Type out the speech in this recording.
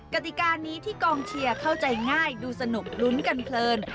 กติกานี้ที่กองเชียร์เข้าใจง่ายดูสนุกลุ้นกันเพลิน